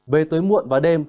về tối muộn vào đêm